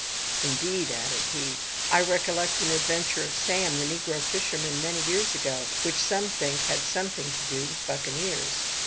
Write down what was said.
Indeed,'' added he, *'I recollect an adventure of Sam, the negro fisherman, many years ago, which some think had something to do with the buccaneers.